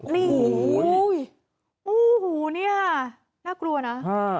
นี่โอ้โฮนี่ค่ะน่ากลัวนะ